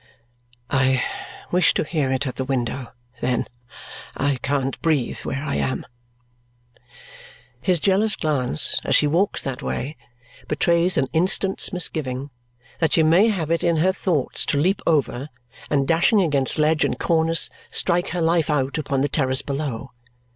"I wish to hear it at the window, then. I can't breathe where I am." His jealous glance as she walks that way betrays an instant's misgiving that she may have it in her thoughts to leap over, and dashing against ledge and cornice, strike her life out upon the terrace below.